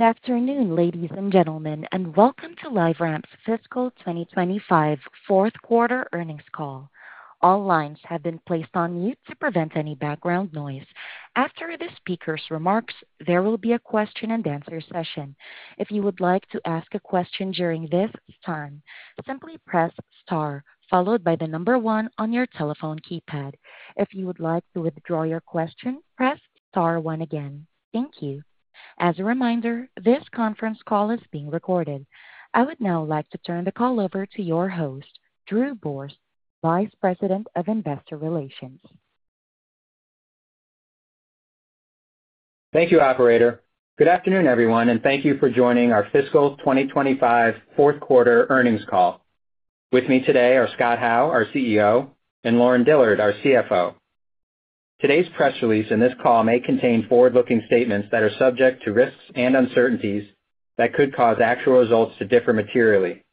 Good afternoon, ladies and gentlemen, and welcome to LiveRamp's fiscal 2025 fourth quarter earnings call. All lines have been placed on mute to prevent any background noise. After the speaker's remarks, there will be a question and answer session. If you would like to ask a question during this time, simply press star, followed by the number one on your telephone keypad. If you would like to withdraw your question, press star one again. Thank you. As a reminder, this conference call is being recorded. I would now like to turn the call over to your host, Drew Borst, Vice President of Investor Relations. Thank you, Operator. Good afternoon, everyone, and thank you for joining our fiscal 2025 fourth quarter earnings call. With me today are Scott Howe, our CEO, and Lauren Dillard, our CFO. Today's press release and this call may contain forward-looking statements that are subject to risks and uncertainties that could cause actual results to differ materially.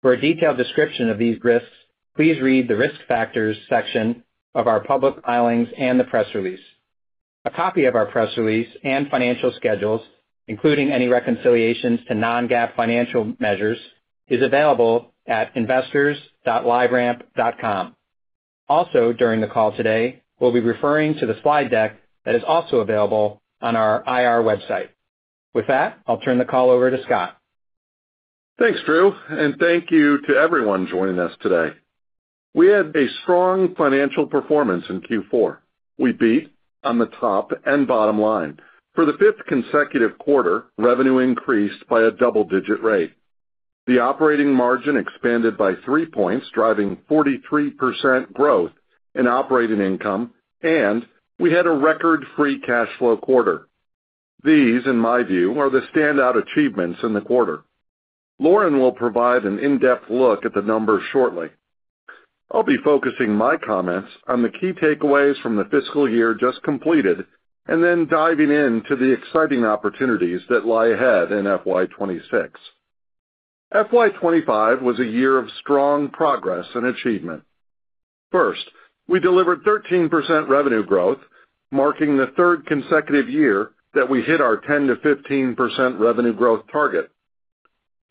For a detailed description of these risks, please read the risk factors section of our public filings and the press release. A copy of our press release and financial schedules, including any reconciliations to non-GAAP financial measures, is available at investors.liveramp.com. Also, during the call today, we'll be referring to the slide deck that is also available on our IR website. With that, I'll turn the call over to Scott. Thanks, Drew, and thank you to everyone joining us today. We had a strong financial performance in Q4. We beat on the top and bottom line. For the fifth consecutive quarter, revenue increased by a double-digit rate. The operating margin expanded by three points, driving 43% growth in operating income, and we had a record free cash flow quarter. These, in my view, are the standout achievements in the quarter. Lauren will provide an in-depth look at the numbers shortly. I'll be focusing my comments on the key takeaways from the fiscal year just completed and then diving into the exciting opportunities that lie ahead in FY26. FY25 was a year of strong progress and achievement. First, we delivered 13% revenue growth, marking the third consecutive year that we hit our 10-15% revenue growth target.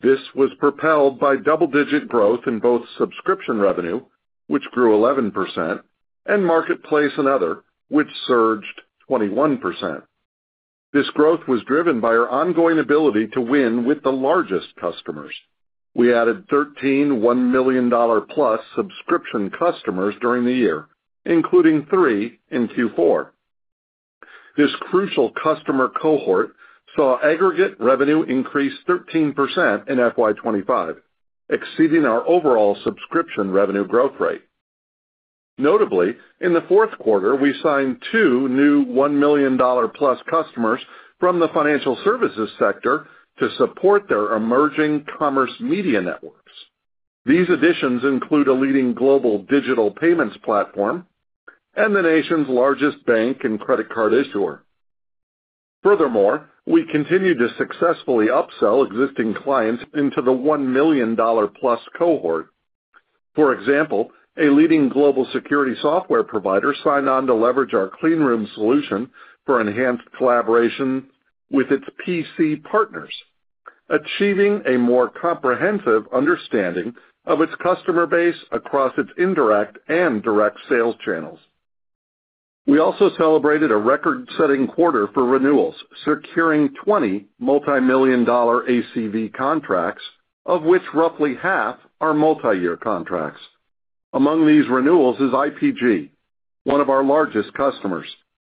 This was propelled by double-digit growth in both subscription revenue, which grew 11%, and marketplace and other, which surged 21%. This growth was driven by our ongoing ability to win with the largest customers. We added 13 one-million-dollar-plus subscription customers during the year, including three in Q4. This crucial customer cohort saw aggregate revenue increase 13% in 2025, exceeding our overall subscription revenue growth rate. Notably, in the fourth quarter, we signed two new one-million-dollar-plus customers from the financial services sector to support their emerging commerce media networks. These additions include a leading global digital payments platform and the nation's largest bank and credit card issuer. Furthermore, we continue to successfully upsell existing clients into the one-million-dollar-plus cohort. For example, a leading global security software provider signed on to leverage our Clean Room solution for enhanced collaboration with its PC partners, achieving a more comprehensive understanding of its customer base across its indirect and direct sales channels. We also celebrated a record-setting quarter for renewals, securing 20 multi-million-dollar ACV contracts, of which roughly half are multi-year contracts. Among these renewals is IPG, one of our largest customers.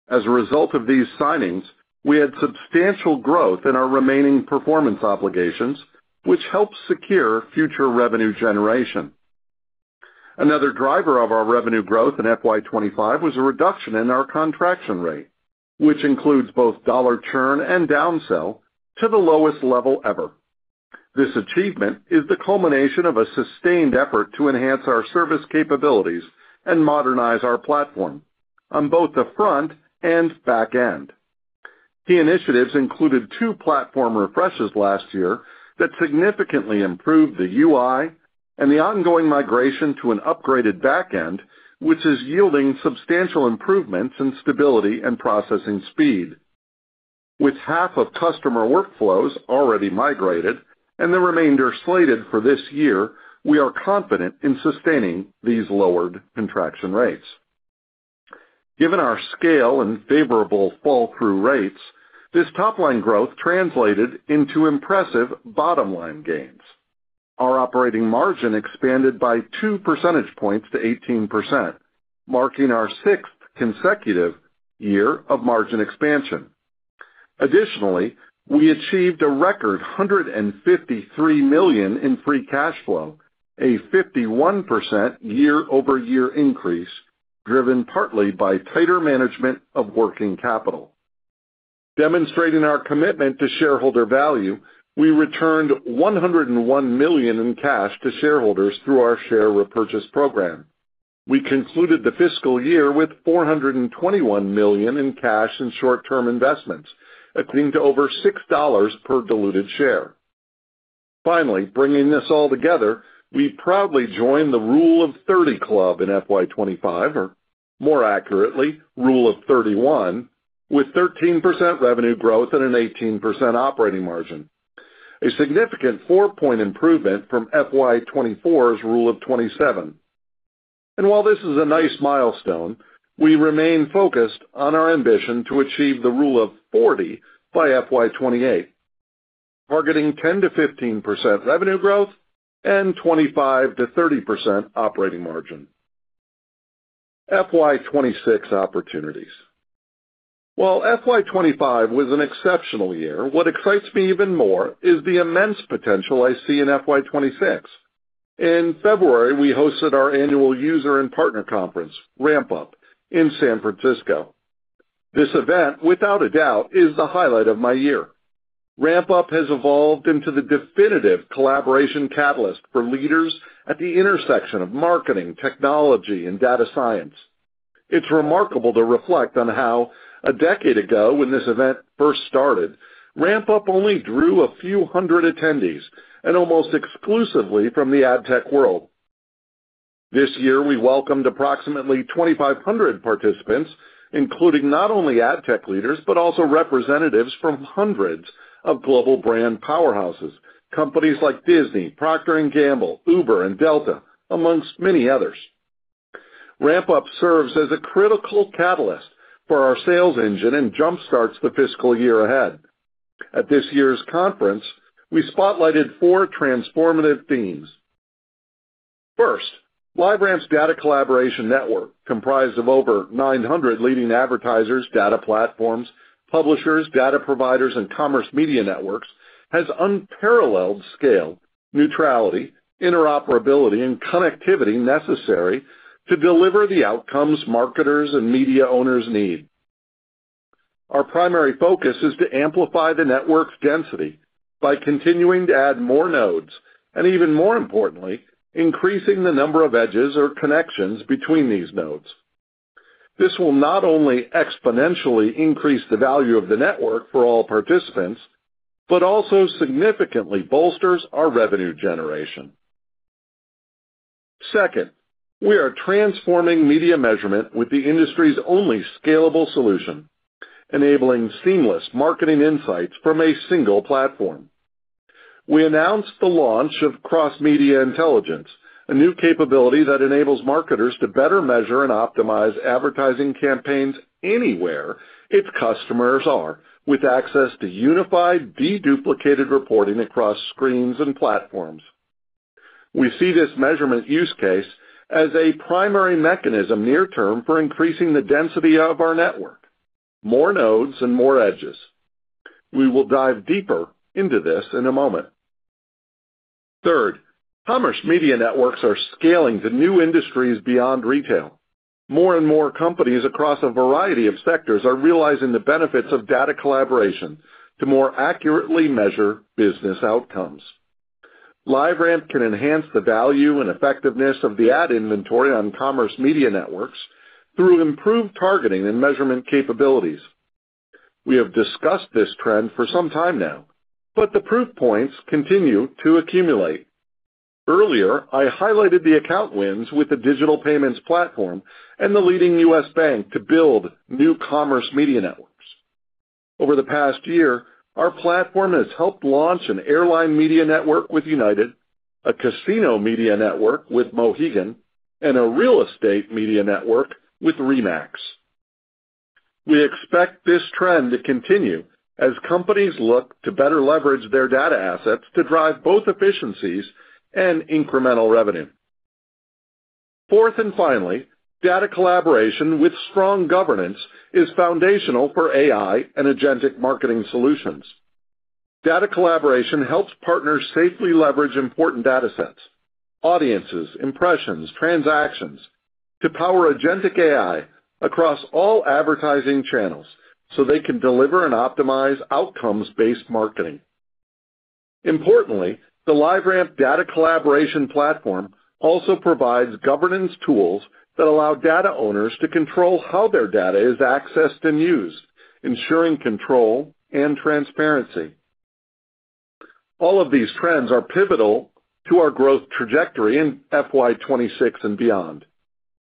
As a result of these signings, we had substantial growth in our remaining performance obligations, which helped secure future revenue generation. Another driver of our revenue growth in FY25 was a reduction in our contraction rate, which includes both dollar churn and downsell to the lowest level ever. This achievement is the culmination of a sustained effort to enhance our service capabilities and modernize our platform on both the front and back end. Key initiatives included two platform refreshes last year that significantly improved the UI and the ongoing migration to an upgraded back end, which is yielding substantial improvements in stability and processing speed. With half of customer workflows already migrated and the remainder slated for this year, we are confident in sustaining these lowered contraction rates. Given our scale and favorable fall-through rates, this top-line growth translated into impressive bottom-line gains. Our operating margin expanded by two percentage points to 18%, marking our sixth consecutive year of margin expansion. Additionally, we achieved a record $153 million in free cash flow, a 51% year-over-year increase driven partly by tighter management of working capital. Demonstrating our commitment to shareholder value, we returned $101 million in cash to shareholders through our share repurchase program. We concluded the fiscal year with $421 million in cash and short-term investments, according to over $6 per diluted share. Finally, bringing this all together, we proudly joined the Rule of 30 Club in FY25, or more accurately, Rule of 31, with 13% revenue growth and an 18% operating margin, a significant four-point improvement from FY24's Rule of 27. While this is a nice milestone, we remain focused on our ambition to achieve the Rule of 40 by FY28, targeting 10-15% revenue growth and 25-30% operating margin. FY26 Opportunities. While FY25 was an exceptional year, what excites me even more is the immense potential I see in FY26. In February, we hosted our annual user and partner conference, Ramp Up, in San Francisco. This event, without a doubt, is the highlight of my year. Ramp Up has evolved into the definitive collaboration catalyst for leaders at the intersection of marketing, technology, and data science. It's remarkable to reflect on how, a decade ago when this event first started, Ramp Up only drew a few hundred attendees and almost exclusively from the ad tech world. This year, we welcomed approximately 2,500 participants, including not only ad tech leaders but also representatives from hundreds of global brand powerhouses, companies like Disney, Procter & Gamble, Uber, and Delta, amongst many others. Ramp Up serves as a critical catalyst for our sales engine and jumpstarts the fiscal year ahead. At this year's conference, we spotlighted four transformative themes. First, LiveRamp's data collaboration network, comprised of over 900 leading advertisers, data platforms, publishers, data providers, and commerce media networks, has unparalleled scale, neutrality, interoperability, and connectivity necessary to deliver the outcomes marketers and media owners need. Our primary focus is to amplify the network's density by continuing to add more nodes and, even more importantly, increasing the number of edges or connections between these nodes. This will not only exponentially increase the value of the network for all participants but also significantly bolsters our revenue generation. Second, we are transforming media measurement with the industry's only scalable solution, enabling seamless marketing insights from a single platform. We announced the launch of Cross-Media Intelligence, a new capability that enables marketers to better measure and optimize advertising campaigns anywhere its customers are, with access to unified, deduplicated reporting across screens and platforms. We see this measurement use case as a primary mechanism near-term for increasing the density of our network: more nodes and more edges. We will dive deeper into this in a moment. Third, Commerce Media Networks are scaling to new industries beyond retail. More and more companies across a variety of sectors are realizing the benefits of data collaboration to more accurately measure business outcomes. LiveRamp can enhance the value and effectiveness of the ad inventory on commerce media networks through improved targeting and measurement capabilities. We have discussed this trend for some time now, but the proof points continue to accumulate. Earlier, I highlighted the account wins with the digital payments platform and the leading U.S. bank to build new commerce media networks. Over the past year, our platform has helped launch an airline media network with United, a casino media network with Mohegan, and a real estate media network with RE/MAX. We expect this trend to continue as companies look to better leverage their data assets to drive both efficiencies and incremental revenue. Fourth and finally, data collaboration with strong governance is foundational for AI and agentic marketing solutions. Data collaboration helps partners safely leverage important data sets, audiences, impressions, transactions to power agentic AI across all advertising channels so they can deliver and optimize outcomes-based marketing. Importantly, the LiveRamp data collaboration platform also provides governance tools that allow data owners to control how their data is accessed and used, ensuring control and transparency. All of these trends are pivotal to our growth trajectory in FY26 and beyond.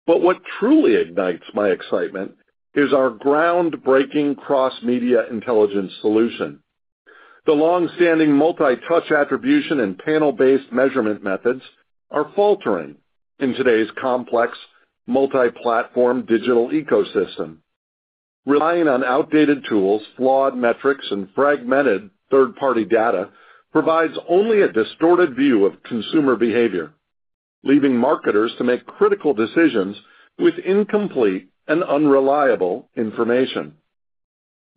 What truly ignites my excitement is our groundbreaking cross-media intelligence solution. The long-standing multi-touch attribution and panel-based measurement methods are faltering in today's complex multi-platform digital ecosystem. Relying on outdated tools, flawed metrics, and fragmented third-party data provides only a distorted view of consumer behavior, leaving marketers to make critical decisions with incomplete and unreliable information.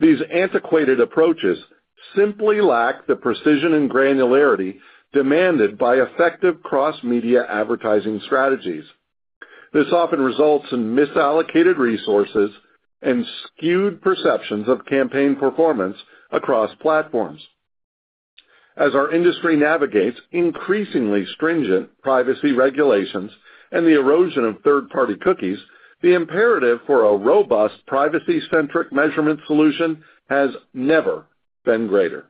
These antiquated approaches simply lack the precision and granularity demanded by effective cross-media advertising strategies. This often results in misallocated resources and skewed perceptions of campaign performance across platforms. As our industry navigates increasingly stringent privacy regulations and the erosion of third-party cookies, the imperative for a robust privacy-centric measurement solution has never been greater.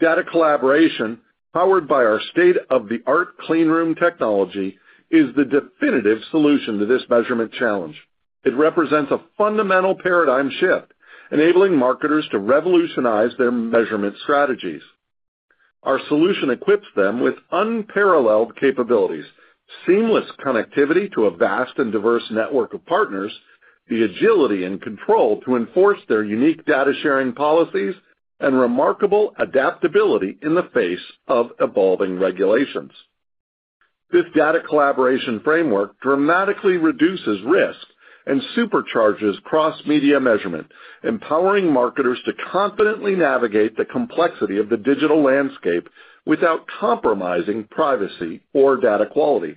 Data collaboration, powered by our state-of-the-art Clean Room technology, is the definitive solution to this measurement challenge. It represents a fundamental paradigm shift, enabling marketers to revolutionize their measurement strategies. Our solution equips them with unparalleled capabilities: seamless connectivity to a vast and diverse network of partners, the agility and control to enforce their unique data sharing policies, and remarkable adaptability in the face of evolving regulations. This data collaboration framework dramatically reduces risk and supercharges cross-media measurement, empowering marketers to confidently navigate the complexity of the digital landscape without compromising privacy or data quality.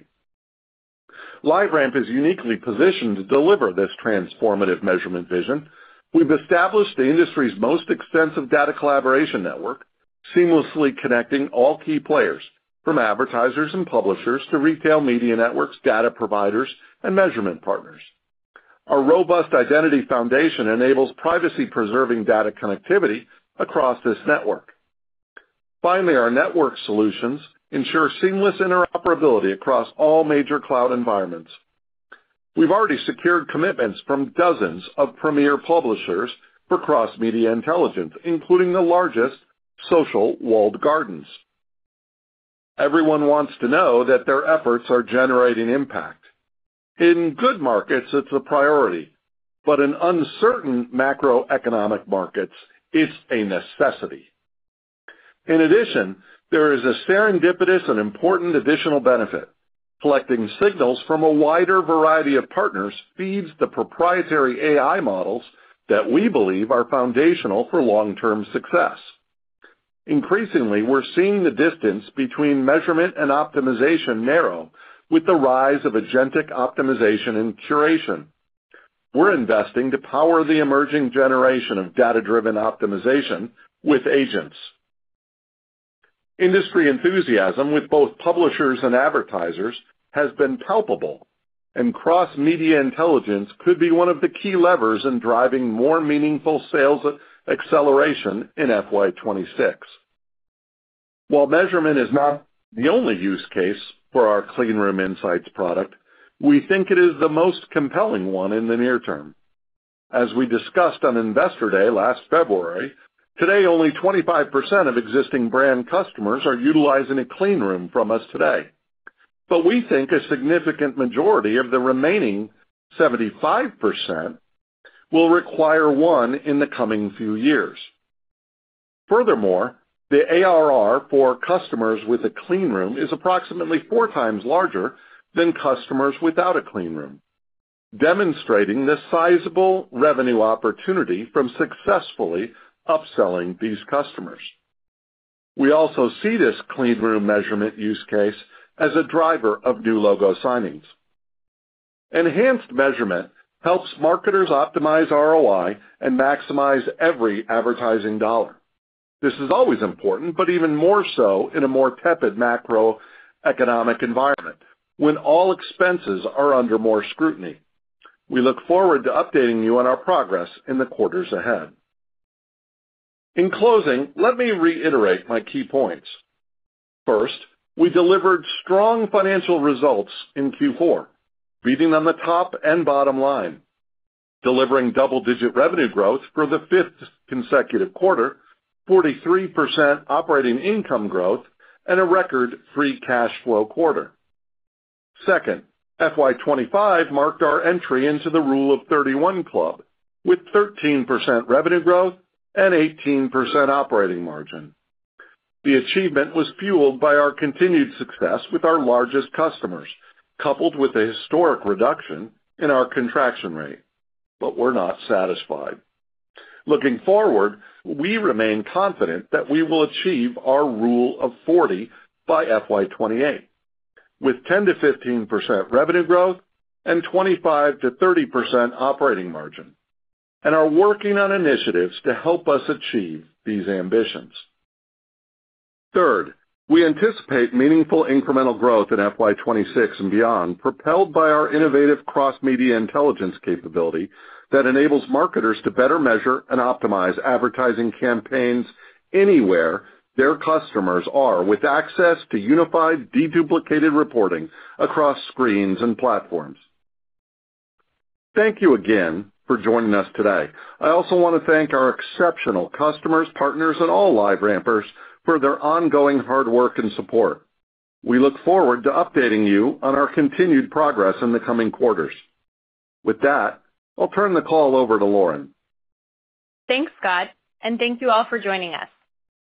LiveRamp is uniquely positioned to deliver this transformative measurement vision. We've established the industry's most extensive data collaboration network, seamlessly connecting all key players, from advertisers and publishers to retail media networks, data providers, and measurement partners. Our robust identity foundation enables privacy-preserving data connectivity across this network. Finally, our network solutions ensure seamless interoperability across all major cloud environments. We've already secured commitments from dozens of premier publishers for cross-media intelligence, including the largest social walled gardens. Everyone wants to know that their efforts are generating impact. In good markets, it's a priority, but in uncertain macroeconomic markets, it's a necessity. In addition, there is a serendipitous and important additional benefit: collecting signals from a wider variety of partners feeds the proprietary AI models that we believe are foundational for long-term success. Increasingly, we're seeing the distance between measurement and optimization narrow with the rise of agentic optimization and curation. We're investing to power the emerging generation of data-driven optimization with agents. Industry enthusiasm with both publishers and advertisers has been palpable, and Cross-Media Intelligence could be one of the key levers in driving more meaningful sales acceleration in FY26. While measurement is not the only use case for our Clean Room Insights product, we think it is the most compelling one in the near term. As we discussed on Investor Day last February, today only 25% of existing brand customers are utilizing a Clean Room from us today. We think a significant majority of the remaining 75% will require one in the coming few years. Furthermore, the ARR for customers with a Clean Room is approximately four times larger than customers without a Clean Room, demonstrating the sizable revenue opportunity from successfully upselling these customers. We also see this Clean Room measurement use case as a driver of new logo signings. Enhanced measurement helps marketers optimize ROI and maximize every advertising dollar. This is always important, but even more so in a more tepid macroeconomic environment when all expenses are under more scrutiny. We look forward to updating you on our progress in the quarters ahead. In closing, let me reiterate my key points. First, we delivered strong financial results in Q4, beating on the top and bottom line, delivering double-digit revenue growth for the fifth consecutive quarter, 43% operating income growth, and a record free cash flow quarter. Second, FY25 marked our entry into the Rule of 31 Club with 13% revenue growth and 18% operating margin. The achievement was fueled by our continued success with our largest customers, coupled with a historic reduction in our contraction rate. But we're not satisfied. Looking forward, we remain confident that we will achieve our Rule of 40 by FY2028, with 10-15% revenue growth and 25-30% operating margin, and are working on initiatives to help us achieve these ambitions. Third, we anticipate meaningful incremental growth in FY2026 and beyond, propelled by our innovative cross-media intelligence capability that enables marketers to better measure and optimize advertising campaigns anywhere their customers are with access to unified, deduplicated reporting across screens and platforms. Thank you again for joining us today. I also want to thank our exceptional customers, partners, and all LiveRampers for their ongoing hard work and support. We look forward to updating you on our continued progress in the coming quarters. With that, I'll turn the call over to Lauren. Thanks, Scott, and thank you all for joining us.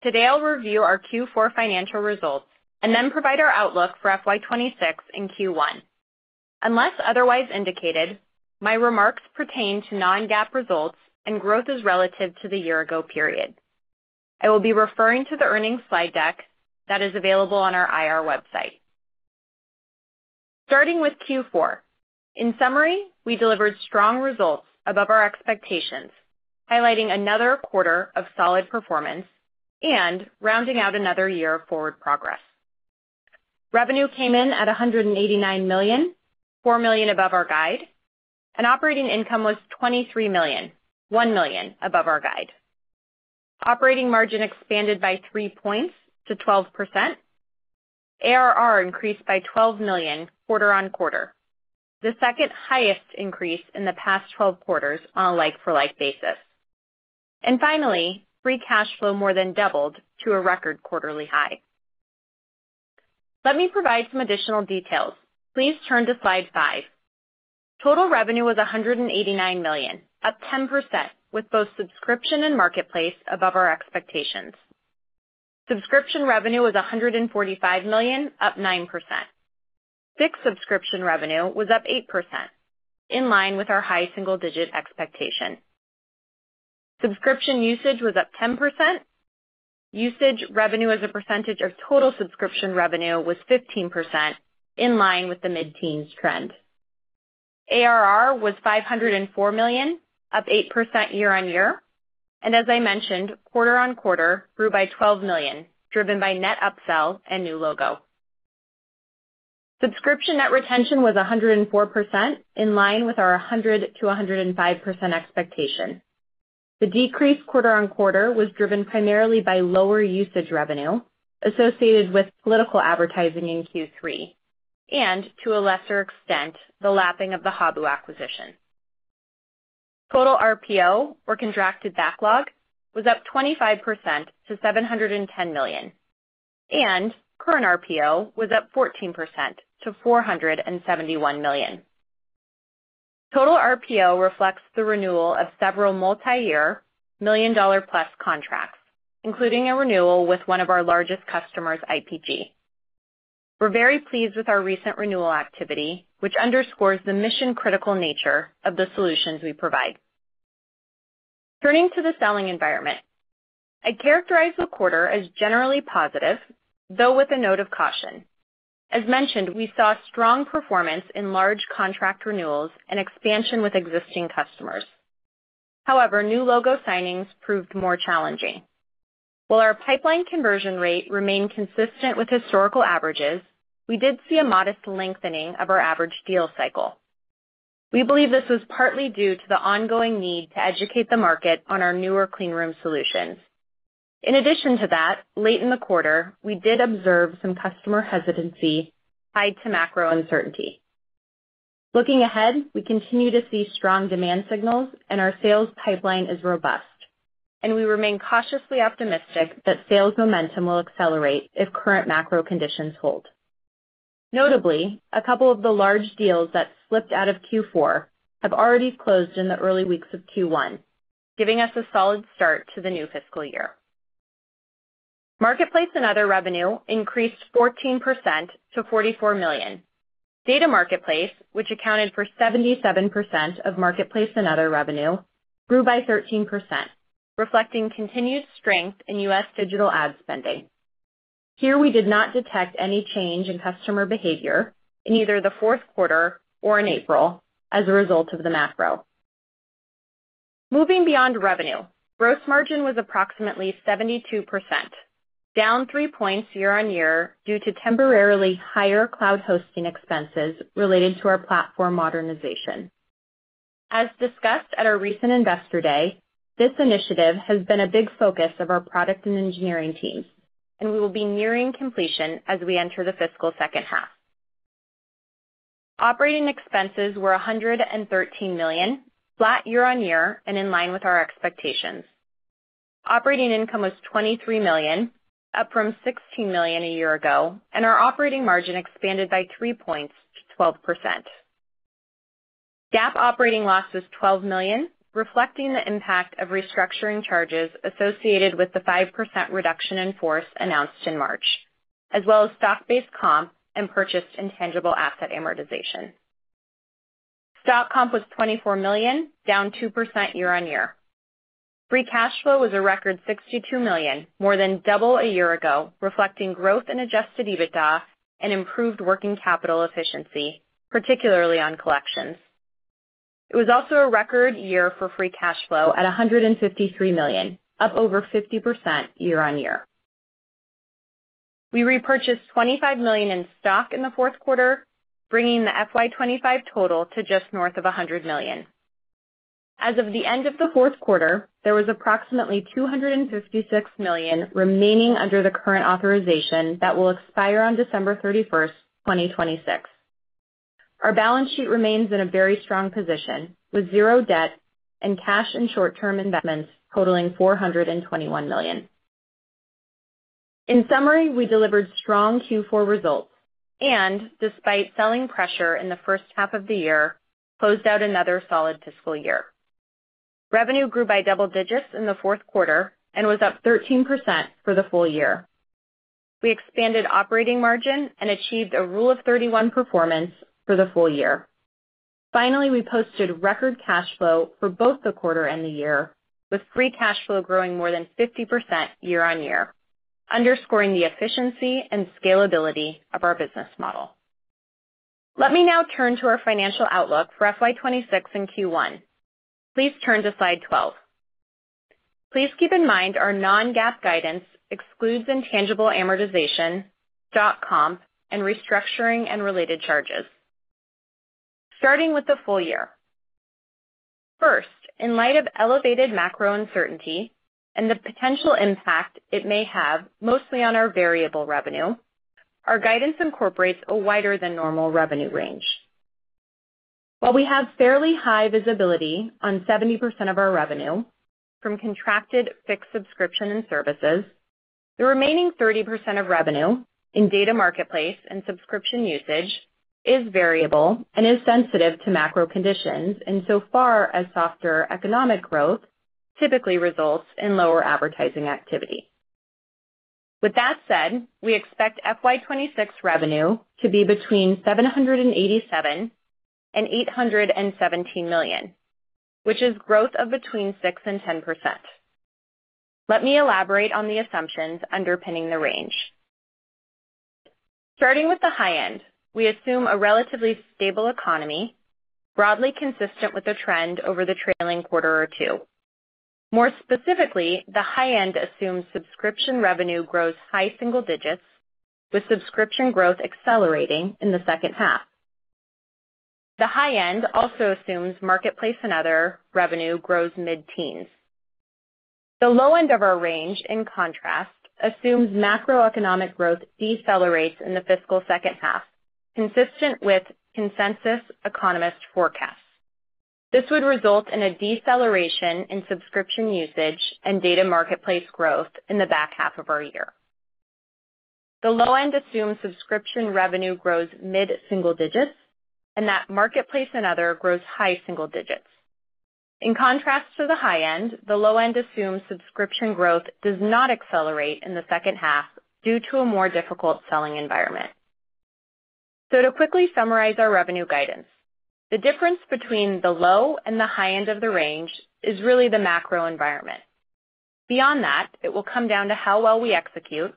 Today, I'll review our Q4 financial results and then provide our outlook for FY2026 and Q1. Unless otherwise indicated, my remarks pertain to non-GAAP results and growth is relative to the year-ago period. I will be referring to the earnings slide deck that is available on our IR website. Starting with Q4, in summary, we delivered strong results above our expectations, highlighting another quarter of solid performance and rounding out another year of forward progress. Revenue came in at $189 million, $4 million above our guide, and operating income was $23 million, $1 million above our guide. Operating margin expanded by 3 percentage points to 12%. ARR increased by $12 million quarter on quarter, the second highest increase in the past 12 quarters on a like-for-like basis. Finally, free cash flow more than doubled to a record quarterly high. Let me provide some additional details. Please turn to slide 5. Total revenue was $189 million, up 10%, with both subscription and marketplace above our expectations. Subscription revenue was $145 million, up 9%. Fixed subscription revenue was up 8%, in line with our high single-digit expectation. Subscription usage was up 10%. Usage revenue as a percentage of total subscription revenue was 15%, in line with the mid-teens trend. ARR was $504 million, up 8% year-on-year. As I mentioned, quarter on quarter grew by $12 million, driven by net upsell and new logo. Subscription net retention was 104%, in line with our 100-105% expectation. The decrease quarter on quarter was driven primarily by lower usage revenue associated with political advertising in Q3 and, to a lesser extent, the lapping of the Hobu acquisition. Total RPO, or contracted backlog, was up 25% to $710 million, and current RPO was up 14% to $471 million. Total RPO reflects the renewal of several multi-year million-dollar-plus contracts, including a renewal with one of our largest customers, IPG. We're very pleased with our recent renewal activity, which underscores the mission-critical nature of the solutions we provide. Turning to the selling environment, I'd characterize the quarter as generally positive, though with a note of caution. As mentioned, we saw strong performance in large contract renewals and expansion with existing customers. However, new logo signings proved more challenging. While our pipeline conversion rate remained consistent with historical averages, we did see a modest lengthening of our average deal cycle. We believe this was partly due to the ongoing need to educate the market on our newer Clean Room solutions. In addition to that, late in the quarter, we did observe some customer hesitancy tied to macro uncertainty. Looking ahead, we continue to see strong demand signals, and our sales pipeline is robust, and we remain cautiously optimistic that sales momentum will accelerate if current macro conditions hold. Notably, a couple of the large deals that slipped out of Q4 have already closed in the early weeks of Q1, giving us a solid start to the new fiscal year. Marketplace and other revenue increased 14% to $44 million. Data marketplace, which accounted for 77% of marketplace and other revenue, grew by 13%, reflecting continued strength in U.S. digital ad spending. Here, we did not detect any change in customer behavior in either the fourth quarter or in April as a result of the macro. Moving beyond revenue, gross margin was approximately 72%, down 3 percentage points year-on-year due to temporarily higher cloud hosting expenses related to our platform modernization. As discussed at our recent Investor Day, this initiative has been a big focus of our product and engineering teams, and we will be nearing completion as we enter the fiscal second half. Operating expenses were $113 million, flat year-on-year and in line with our expectations. Operating income was $23 million, up from $16 million a year ago, and our operating margin expanded by 3 percentage points to 12%. GAAP operating loss was $12 million, reflecting the impact of restructuring charges associated with the 5% reduction in force announced in March, as well as stock-based comp and purchased intangible asset amortization. Stock comp was $24 million, down 2% year-on-year. Free cash flow was a record $62 million, more than double a year ago, reflecting growth in adjusted EBITDA and improved working capital efficiency, particularly on collections. It was also a record year for free cash flow at $153 million, up over 50% year-on-year. We repurchased $25 million in stock in the fourth quarter, bringing the FY25 total to just north of $100 million. As of the end of the fourth quarter, there was approximately $256 million remaining under the current authorization that will expire on December 31, 2026. Our balance sheet remains in a very strong position, with zero debt and cash and short-term investments totaling $421 million. In summary, we delivered strong Q4 results and, despite selling pressure in the first half of the year, closed out another solid fiscal year. Revenue grew by double digits in the fourth quarter and was up 13% for the full year. We expanded operating margin and achieved a Rule of 31 performance for the full year. Finally, we posted record cash flow for both the quarter and the year, with free cash flow growing more than 50% year-on-year, underscoring the efficiency and scalability of our business model. Let me now turn to our financial outlook for FY26 and Q1. Please turn to slide 12. Please keep in mind our non-GAAP guidance excludes intangible amortization, stock comp, and restructuring and related charges. Starting with the full year. First, in light of elevated macro uncertainty and the potential impact it may have mostly on our variable revenue, our guidance incorporates a wider-than-normal revenue range. While we have fairly high visibility on 70% of our revenue from contracted fixed subscription and services, the remaining 30% of revenue in data marketplace and subscription usage is variable and is sensitive to macro conditions insofar as softer economic growth typically results in lower advertising activity. With that said, we expect FY26 revenue to be between $787 million and $817 million, which is growth of between 6% and 10%. Let me elaborate on the assumptions underpinning the range. Starting with the high end, we assume a relatively stable economy, broadly consistent with the trend over the trailing quarter or two. More specifically, the high end assumes subscription revenue grows high single digits, with subscription growth accelerating in the second half. The high end also assumes marketplace and other revenue grows mid-teens. The low end of our range, in contrast, assumes macroeconomic growth decelerates in the fiscal second half, consistent with consensus economist forecasts. This would result in a deceleration in subscription usage and data marketplace growth in the back half of our year. The low end assumes subscription revenue grows mid-single digits and that marketplace and other grows high single digits. In contrast to the high end, the low end assumes subscription growth does not accelerate in the second half due to a more difficult selling environment. To quickly summarize our revenue guidance, the difference between the low and the high end of the range is really the macro environment. Beyond that, it will come down to how well we execute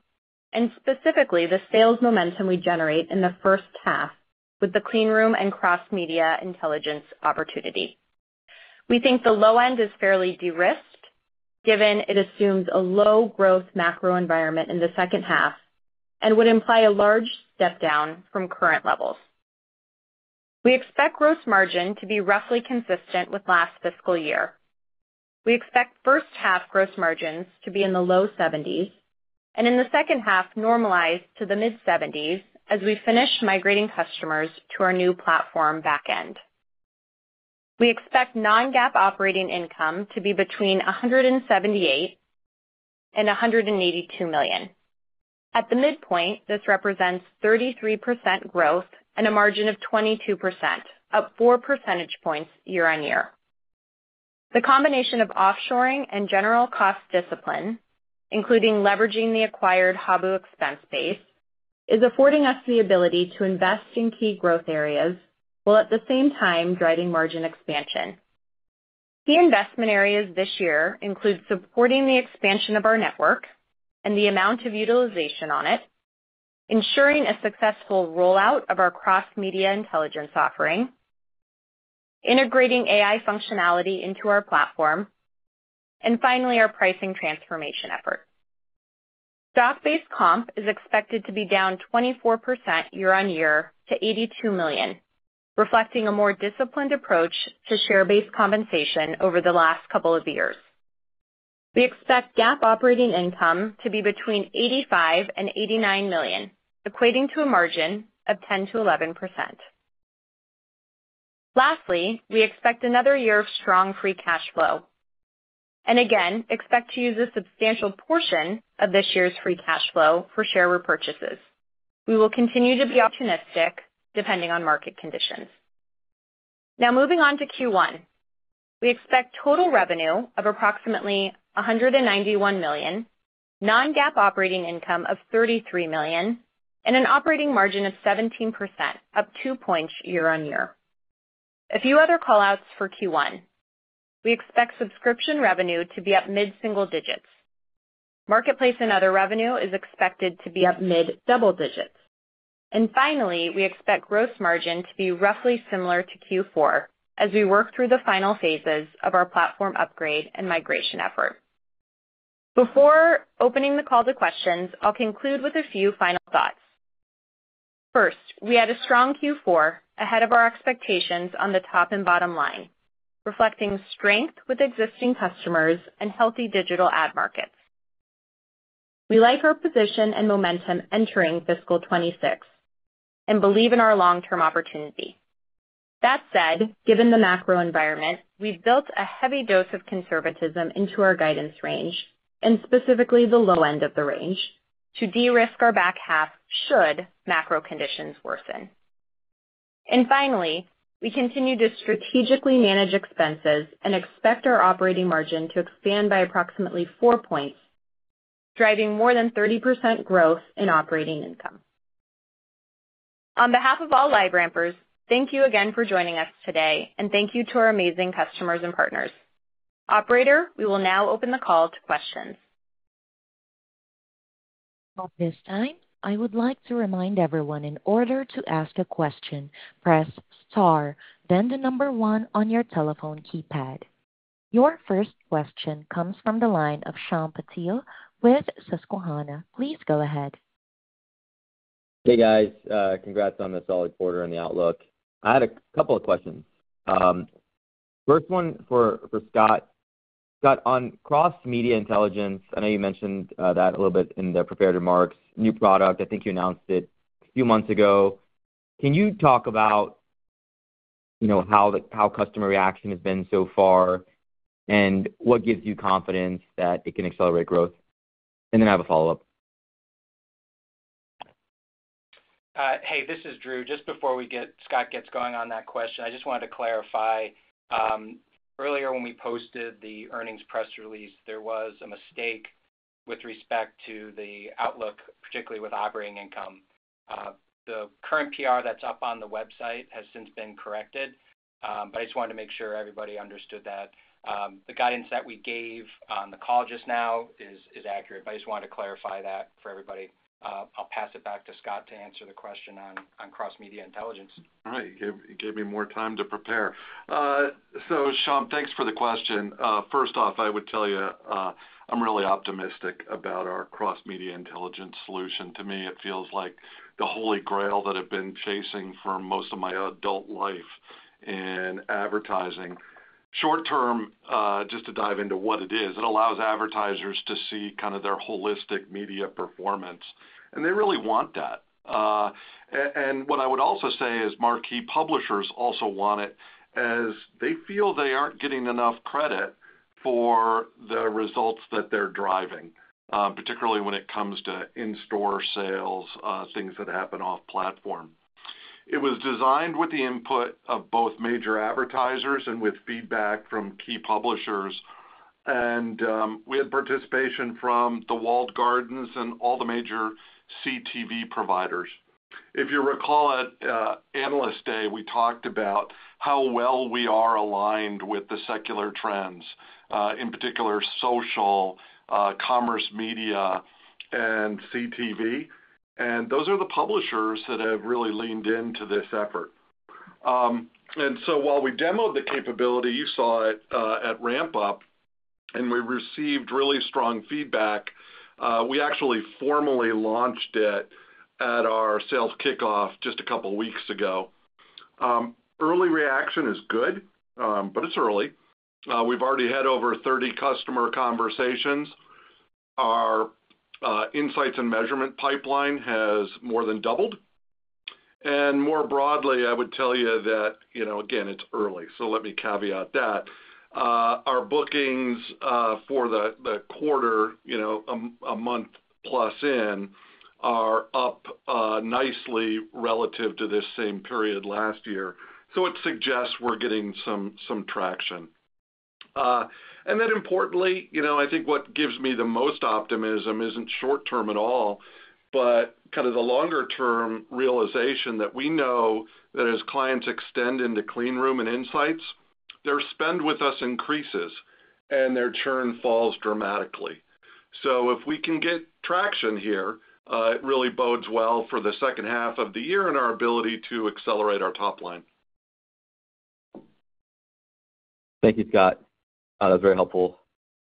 and specifically the sales momentum we generate in the first half with the Clean Room and Cross-Media Intelligence opportunity. We think the low end is fairly de-risked, given it assumes a low-growth macro environment in the second half and would imply a large step down from current levels. We expect gross margin to be roughly consistent with last fiscal year. We expect first-half gross margins to be in the low 70s and in the second half normalize to the mid-70s as we finish migrating customers to our new platform back end. We expect non-GAAP operating income to be between $178 million and $182 million. At the midpoint, this represents 33% growth and a margin of 22%, up 4 percentage points year-on-year. The combination of offshoring and general cost discipline, including leveraging the acquired Hobu expense base, is affording us the ability to invest in key growth areas while at the same time driving margin expansion. Key investment areas this year include supporting the expansion of our network and the amount of utilization on it, ensuring a successful rollout of our cross-media intelligence offering, integrating AI functionality into our platform, and finally, our pricing transformation effort. Stock-based comp is expected to be down 24% year-on-year to $82 million, reflecting a more disciplined approach to share-based compensation over the last couple of years. We expect GAAP operating income to be between $85-$89 million, equating to a margin of 10%-11%. Lastly, we expect another year of strong free cash flow and again expect to use a substantial portion of this year's free cash flow for share repurchases. We will continue to be optimistic depending on market conditions. Now, moving on to Q1, we expect total revenue of approximately $191 million, non-GAAP operating income of $33 million, and an operating margin of 17%, up 2 percentage points year-on-year. A few other callouts for Q1. We expect subscription revenue to be up mid-single digits. Marketplace and other revenue is expected to be up mid-double digits. Finally, we expect gross margin to be roughly similar to Q4 as we work through the final phases of our platform upgrade and migration effort. Before opening the call to questions, I'll conclude with a few final thoughts. First, we had a strong Q4 ahead of our expectations on the top and bottom line, reflecting strength with existing customers and healthy digital ad markets. We like our position and momentum entering fiscal 2026 and believe in our long-term opportunity. That said, given the macro environment, we've built a heavy dose of conservatism into our guidance range and specifically the low end of the range to de-risk our back half should macro conditions worsen. Finally, we continue to strategically manage expenses and expect our operating margin to expand by approximately 4 percentage points, driving more than 30% growth in operating income. On behalf of all LiveRampers, thank you again for joining us today, and thank you to our amazing customers and partners. Operator, we will now open the call to questions. At this time, I would like to remind everyone in order to ask a question, press star, then the number one on your telephone keypad. Your first question comes from the line of Shyam Patil with Susquehanna. Please go ahead. Hey, guys. Congrats on the solid quarter and the outlook. I had a couple of questions. First one for Scott. Scott, on Cross-Media Intelligence, I know you mentioned that a little bit in the prepared remarks. New product, I think you announced it a few months ago. Can you talk about how customer reaction has been so far and what gives you confidence that it can accelerate growth? And then I have a follow-up. Hey, this is Drew. Just before Scott gets going on that question, I just wanted to clarify. Earlier, when we posted the earnings press release, there was a mistake with respect to the outlook, particularly with operating income. The current PR that is up on the website has since been corrected, but I just wanted to make sure everybody understood that. The guidance that we gave on the call just now is accurate, but I just wanted to clarify that for everybody. I'll pass it back to Scott to answer the question on cross-media intelligence. All right. It gave me more time to prepare. Sean, thanks for the question. First off, I would tell you I'm really optimistic about our cross-media intelligence solution. To me, it feels like the holy grail that I've been chasing for most of my adult life in advertising. Short term, just to dive into what it is, it allows advertisers to see kind of their holistic media performance, and they really want that. What I would also say is marquee publishers also want it as they feel they are not getting enough credit for the results that they are driving, particularly when it comes to in-store sales, things that happen off platform. It was designed with the input of both major advertisers and with feedback from key publishers. We had participation from the walled gardens and all the major CTV providers. If you recall at Analyst Day, we talked about how well we are aligned with the secular trends, in particular social, commerce, media, and CTV. Those are the publishers that have really leaned into this effort. While we demoed the capability, you saw it at Ramp Up, and we received really strong feedback. We actually formally launched it at our sales kickoff just a couple of weeks ago. Early reaction is good, but it's early. We've already had over 30 customer conversations. Our insights and measurement pipeline has more than doubled. More broadly, I would tell you that, again, it's early, so let me caveat that. Our bookings for the quarter, a month plus in, are up nicely relative to this same period last year. It suggests we're getting some traction. Importantly, I think what gives me the most optimism isn't short term at all, but kind of the longer-term realization that we know that as clients extend into Clean Room and insights, their spend with us increases and their churn falls dramatically. If we can get traction here, it really bodes well for the second half of the year and our ability to accelerate our top line. Thank you, Scott. That was very helpful.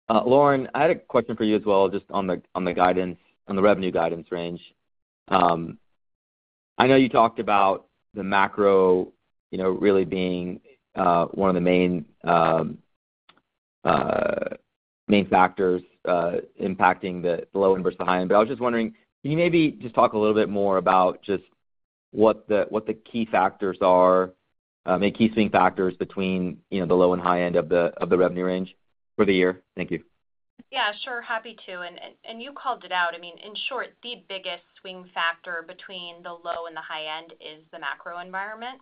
Lauren, I had a question for you as well just on the revenue guidance range. I know you talked about the macro really being one of the main factors impacting the low and versus the high end. I was just wondering, can you maybe just talk a little bit more about just what the key factors are, maybe key swing factors between the low and high end of the revenue range for the year? Thank you. Yeah, sure. Happy to. You called it out. I mean, in short, the biggest swing factor between the low and the high end is the macro environment.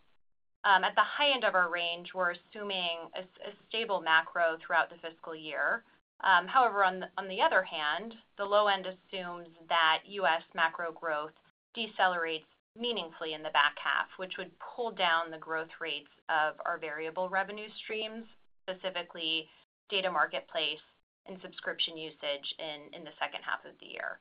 At the high end of our range, we're assuming a stable macro throughout the fiscal year. However, on the other hand, the low end assumes that US macro growth decelerates meaningfully in the back half, which would pull down the growth rates of our variable revenue streams, specifically data marketplace and subscription usage in the second half of the year.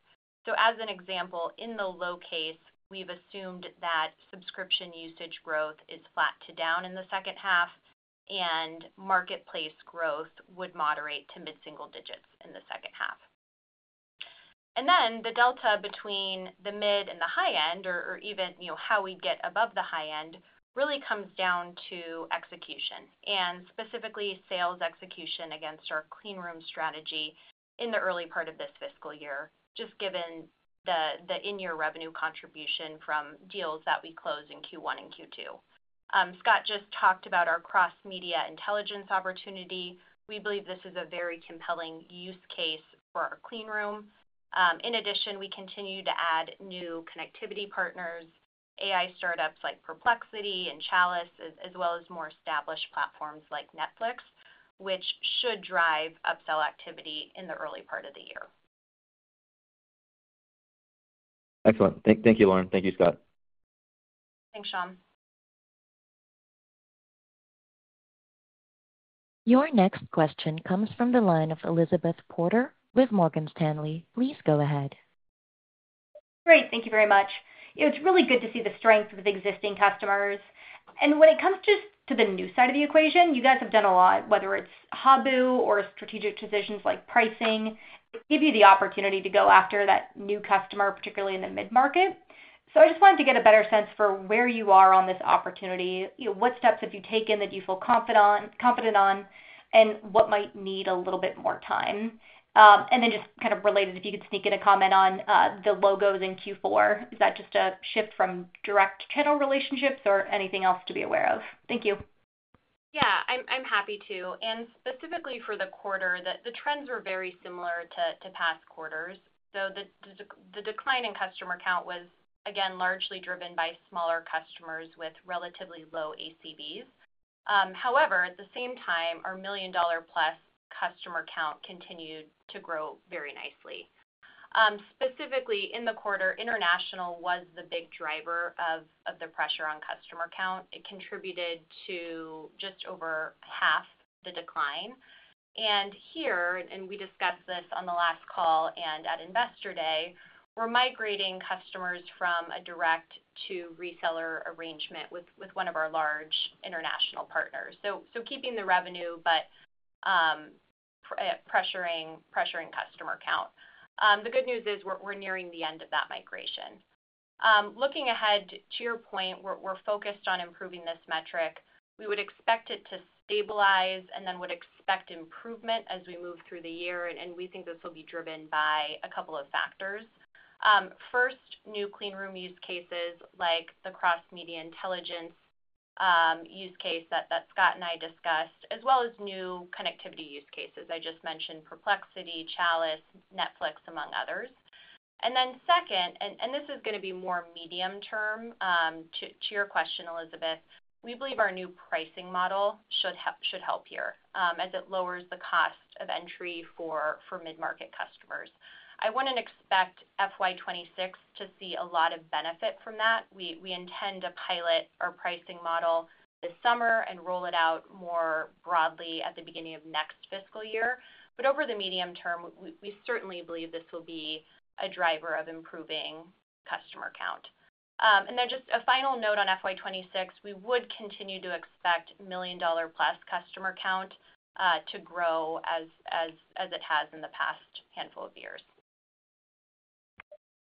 As an example, in the low case, we've assumed that subscription usage growth is flat to down in the second half, and marketplace growth would moderate to mid-single digits in the second half. The delta between the mid and the high end, or even how we get above the high end, really comes down to execution, and specifically sales execution against our Clean Room strategy in the early part of this fiscal year, just given the in-year revenue contribution from deals that we close in Q1 and Q2. Scott just talked about our Cross-Media Intelligence opportunity. We believe this is a very compelling use case for our Clean Room. In addition, we continue to add new connectivity partners, AI startups like Perplexity and Chalice, as well as more established platforms like Netflix, which should drive upsell activity in the early part of the year. Excellent. Thank you, Lauren. Thank you, Scott. Thanks, Sean. Your next question comes from the line of Elizabeth Porter with Morgan Stanley. Please go ahead. Great. Thank you very much. It's really good to see the strength of existing customers. When it comes just to the new side of the equation, you guys have done a lot, whether it's Hobu or strategic decisions like pricing, give you the opportunity to go after that new customer, particularly in the mid-market. I just wanted to get a better sense for where you are on this opportunity. What steps have you taken that you feel confident on, and what might need a little bit more time? And then just kind of related, if you could sneak in a comment on the logos in Q4. Is that just a shift from direct channel relationships or anything else to be aware of? Thank you. Yeah, I'm happy to. And specifically for the quarter, the trends were very similar to past quarters. The decline in customer count was, again, largely driven by smaller customers with relatively low ACVs. However, at the same time, our million-dollar-plus customer count continued to grow very nicely. Specifically, in the quarter, international was the big driver of the pressure on customer count. It contributed to just over half the decline. Here, and we discussed this on the last call and at Investor Day, we're migrating customers from a direct-to-reseller arrangement with one of our large international partners. Keeping the revenue, but pressuring customer count. The good news is we're nearing the end of that migration. Looking ahead to your point, we're focused on improving this metric. We would expect it to stabilize and then would expect improvement as we move through the year. We think this will be driven by a couple of factors. First, new Clean Room use cases like the Cross-Media Intelligence use case that Scott and I discussed, as well as new connectivity use cases. I just mentioned Perplexity, Chalice, Netflix, among others. Second, and this is going to be more medium-term to your question, Elizabeth, we believe our new pricing model should help here as it lowers the cost of entry for mid-market customers. I would not expect FY26 to see a lot of benefit from that. We intend to pilot our pricing model this summer and roll it out more broadly at the beginning of next fiscal year. Over the medium term, we certainly believe this will be a driver of improving customer count. Just a final note on FY2026, we would continue to expect million-dollar-plus customer count to grow as it has in the past handful of years.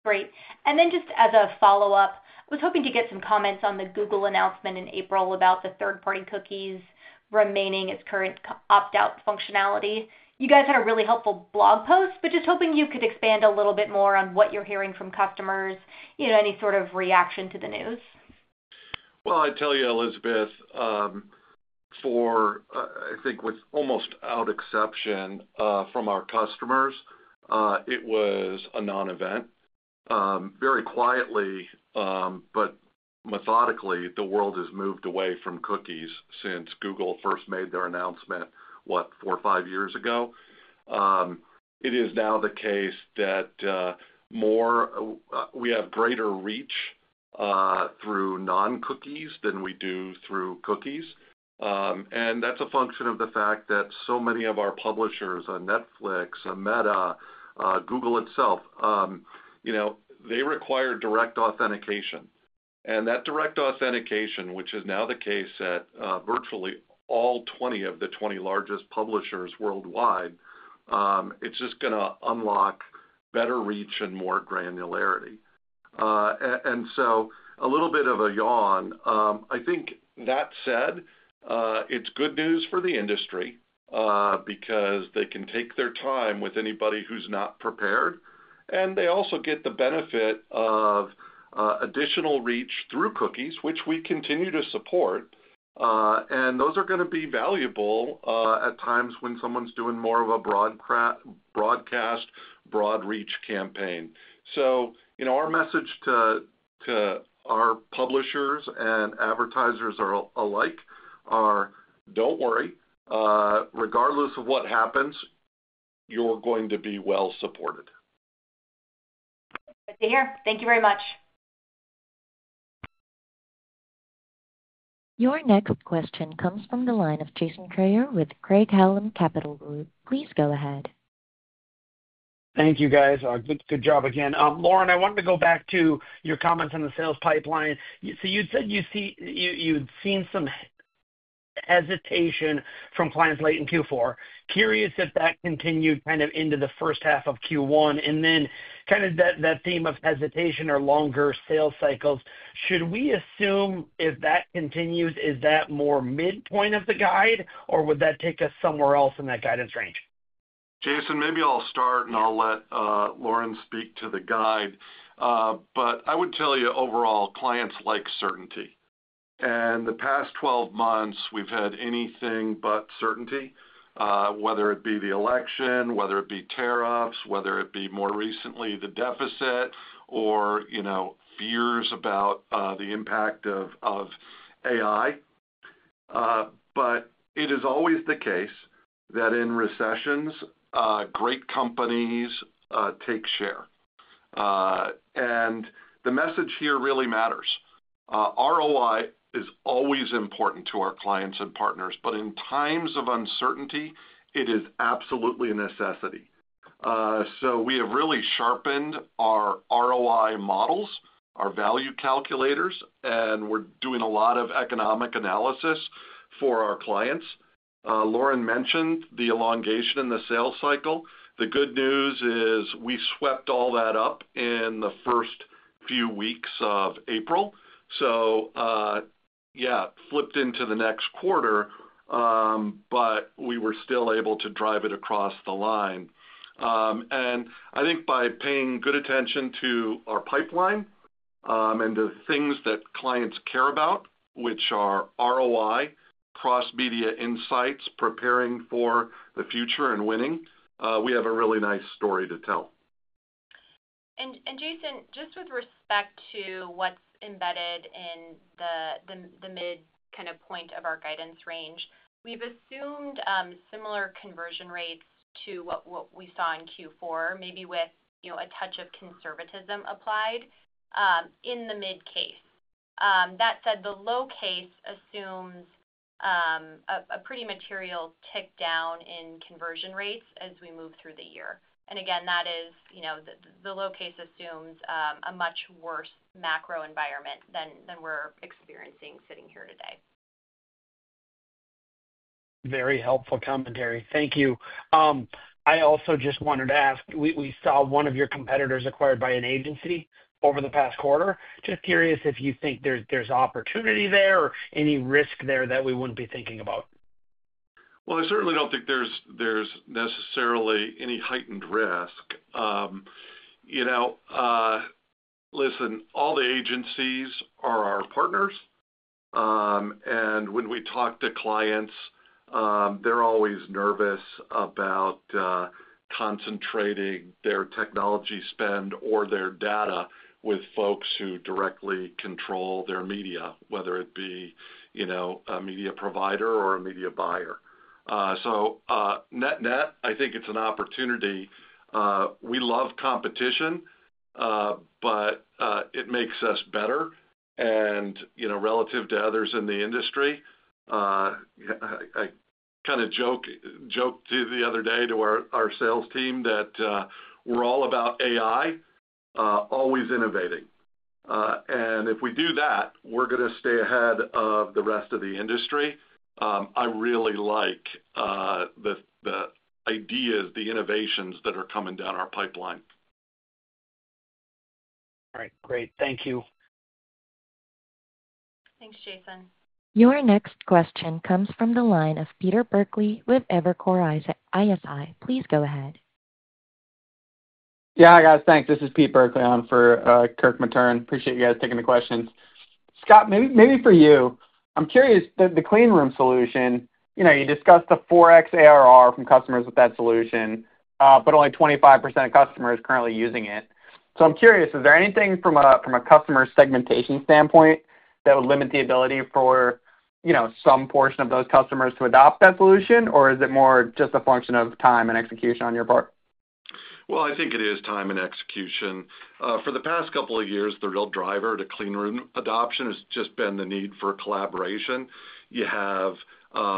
Great. Just as a follow-up, I was hoping to get some comments on the Google announcement in April about the third-party cookies remaining its current opt-out functionality. You guys had a really helpful blog post, but just hoping you could expand a little bit more on what you're hearing from customers, any sort of reaction to the news. Elizabeth, for I think with almost out exception from our customers, it was a non-event. Very quietly, but methodically, the world has moved away from cookies since Google first made their announcement, what, four or five years ago. It is now the case that we have greater reach through non-cookies than we do through cookies. That is a function of the fact that so many of our publishers, Netflix, Meta, Google itself, they require direct authentication. That direct authentication, which is now the case at virtually all 20 of the 20 largest publishers worldwide, is just going to unlock better reach and more granularity. A little bit of a yawn. I think that said, it's good news for the industry because they can take their time with anybody who's not prepared. They also get the benefit of additional reach through cookies, which we continue to support. Those are going to be valuable at times when someone's doing more of a broadcast, broad reach campaign. Our message to our publishers and advertisers alike are, don't worry. Regardless of what happens, you're going to be well supported. Great to hear. Thank you very much. Your next question comes from the line of Jason Kreyer with Craig-Hallum Capital Group. Please go ahead. Thank you, guys. Good job again. Lauren, I wanted to go back to your comments on the sales pipeline. You said you'd seen some hesitation from clients late in Q4. Curious if that continued kind of into the first half of Q1. Then kind of that theme of hesitation or longer sales cycles. Should we assume if that continues, is that more midpoint of the guide, or would that take us somewhere else in that guidance range? Jason, maybe I'll start and I'll let Lauren speak to the guide. I would tell you overall, clients like certainty. In the past 12 months, we've had anything but certainty, whether it be the election, whether it be tariffs, whether it be more recently the deficit, or fears about the impact of AI. It is always the case that in recessions, great companies take share. The message here really matters. ROI is always important to our clients and partners, but in times of uncertainty, it is absolutely a necessity. We have really sharpened our ROI models, our value calculators, and we're doing a lot of economic analysis for our clients. Lauren mentioned the elongation in the sales cycle. The good news is we swept all that up in the first few weeks of April. Yeah, it flipped into the next quarter, but we were still able to drive it across the line. I think by paying good attention to our pipeline and the things that clients care about, which are ROI, cross-media insights, preparing for the future, and winning, we have a really nice story to tell. Jason, just with respect to what is embedded in the mid kind of point of our guidance range, we have assumed similar conversion rates to what we saw in Q4, maybe with a touch of conservatism applied in the mid case. That said, the low case assumes a pretty material tick down in conversion rates as we move through the year. That is, the low case assumes a much worse macro environment than we're experiencing sitting here today. Very helpful commentary. Thank you. I also just wanted to ask, we saw one of your competitors acquired by an agency over the past quarter. Just curious if you think there's opportunity there or any risk there that we wouldn't be thinking about. I certainly don't think there's necessarily any heightened risk. Listen, all the agencies are our partners. When we talk to clients, they're always nervous about concentrating their technology spend or their data with folks who directly control their media, whether it be a media provider or a media buyer. Net-net, I think it's an opportunity. We love competition, but it makes us better. Relative to others in the industry, I kind of joked the other day to our sales team that we're all about AI, always innovating. If we do that, we're going to stay ahead of the rest of the industry. I really like the ideas, the innovations that are coming down our pipeline. All right. Great. Thank you. Thanks, Jason. Your next question comes from the line of Peter Burkly with Evercore ISI. Please go ahead. Yeah, guys, thanks. This is Peter Burkly on for Kirk Matern. Appreciate you guys taking the questions. Scott, maybe for you, I'm curious, the Clean Room solution, you discussed the 4x ARR from customers with that solution, but only 25% of customers currently using it. I'm curious, is there anything from a customer segmentation standpoint that would limit the ability for some portion of those customers to adopt that solution, or is it more just a function of time and execution on your part? I think it is time and execution. For the past couple of years, the real driver to Clean Room adoption has just been the need for collaboration. You have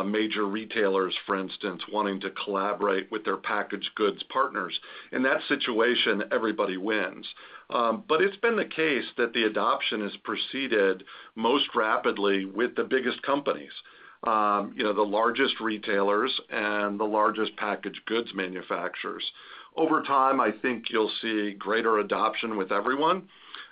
major retailers, for instance, wanting to collaborate with their packaged goods partners. In that situation, everybody wins. It has been the case that the adoption has proceeded most rapidly with the biggest companies, the largest retailers, and the largest packaged goods manufacturers. Over time, I think you'll see greater adoption with everyone.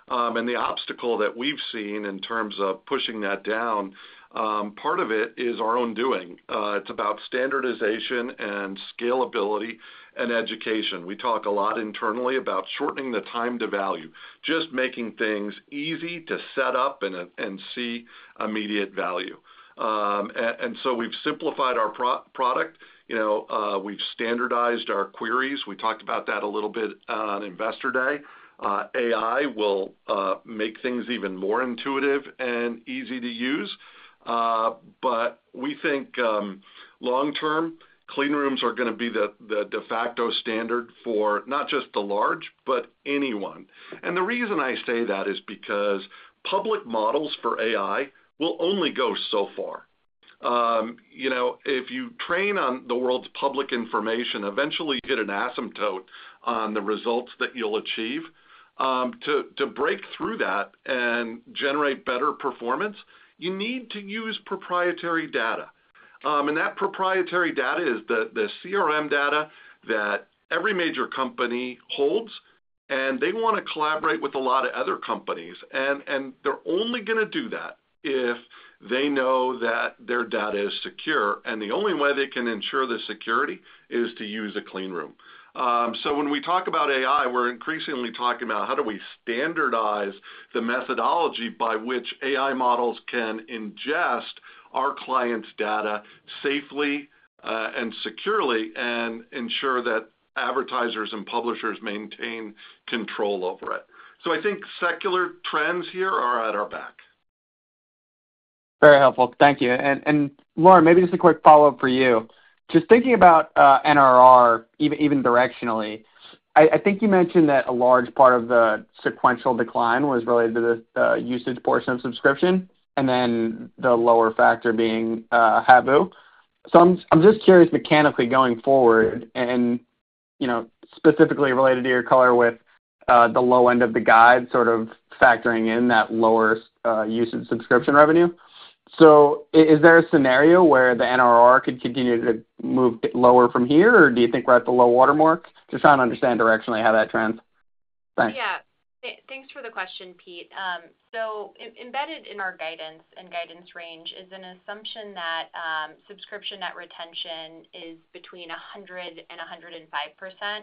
The obstacle that we've seen in terms of pushing that down, part of it is our own doing. It's about standardization and scalability and education. We talk a lot internally about shortening the time to value, just making things easy to set up and see immediate value. We have simplified our product. We have standardized our queries. We talked about that a little bit on Investor Day. AI will make things even more intuitive and easy to use. We think long-term, clean rooms are going to be the de facto standard for not just the large, but anyone. The reason I say that is because public models for AI will only go so far. If you train on the world's public information, eventually you get an asymptote on the results that you will achieve. To break through that and generate better performance, you need to use proprietary data. That proprietary data is the CRM data that every major company holds, and they want to collaborate with a lot of other companies. They're only going to do that if they know that their data is secure. The only way they can ensure the security is to use a Clean Room. When we talk about AI, we're increasingly talking about how do we standardize the methodology by which AI models can ingest our clients' data safely and securely and ensure that advertisers and publishers maintain control over it. I think secular trends here are at our back. Very helpful. Thank you. Lauren, maybe just a quick follow-up for you. Just thinking about NRR, even directionally, I think you mentioned that a large part of the sequential decline was related to the usage portion of subscription and then the lower factor being Habu. I'm just curious, mechanically going forward, and specifically related to your color with the low end of the guide sort of factoring in that lower use of subscription revenue. Is there a scenario where the NRR could continue to move lower from here, or do you think we're at the low watermark? Just trying to understand directionally how that trends. Thanks. Yeah. Thanks for the question, Pete. Embedded in our guidance and guidance range is an assumption that subscription net retention is between 100% and 105%,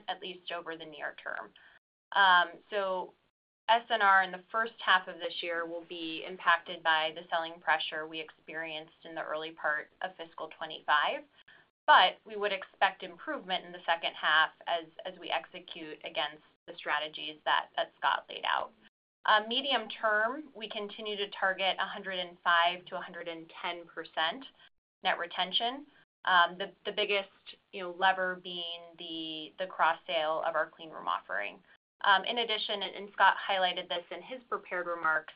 at least over the near term. SNR in the first half of this year will be impacted by the selling pressure we experienced in the early part of fiscal 2025. We would expect improvement in the second half as we execute against the strategies that Scott laid out. Medium term, we continue to target 105-110% net retention, the biggest lever being the cross-sale of our Clean Room offering. In addition, and Scott highlighted this in his prepared remarks,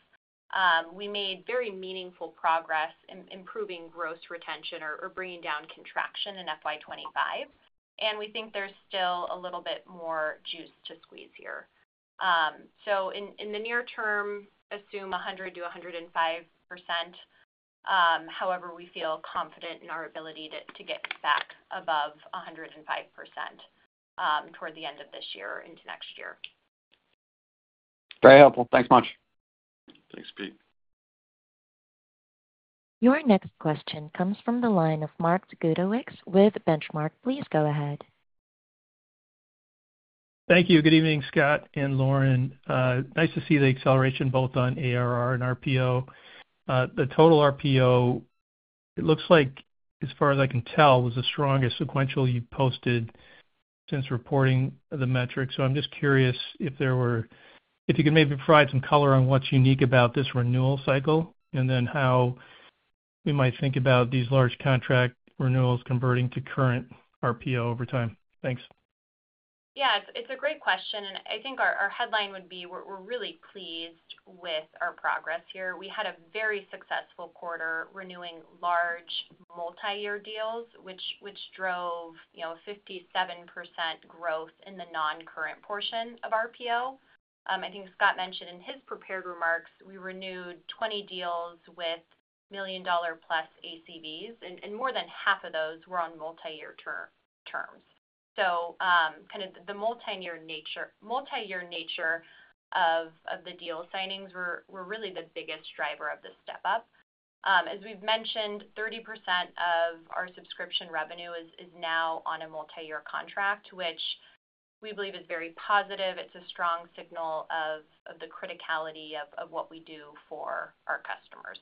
we made very meaningful progress in improving gross retention or bringing down contraction in FY25. We think there's still a little bit more juice to squeeze here. In the near term, assume 100-105%. However, we feel confident in our ability to get back above 105% toward the end of this year into next year. Very helpful. Thanks much. Thanks, Pete. Your next question comes from the line of Mark Zgutowicz with The Benchmark Company. Please go ahead. Thank you. Good evening, Scott and Lauren. Nice to see the acceleration both on ARR and RPO. The total RPO, it looks like, as far as I can tell, was the strongest sequential you posted since reporting the metrics. I'm just curious if you could maybe provide some color on what's unique about this renewal cycle and then how we might think about these large contract renewals converting to current RPO over time. Thanks. Yeah, it's a great question. I think our headline would be, we're really pleased with our progress here. We had a very successful quarter renewing large multi-year deals, which drove 57% growth in the non-current portion of RPO. I think Scott mentioned in his prepared remarks, we renewed 20 deals with million-dollar-plus ACVs, and more than half of those were on multi-year terms. Kind of the multi-year nature of the deal signings were really the biggest driver of the step-up. As we've mentioned, 30% of our subscription revenue is now on a multi-year contract, which we believe is very positive. It's a strong signal of the criticality of what we do for our customers.